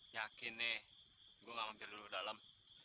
yakin nih gue gak mau jadul ke dalam